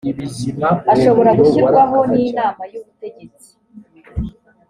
ashobora gushyirwaho n inama y ubutegetsi